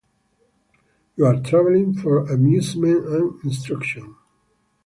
You are travelling for amusement and instruction.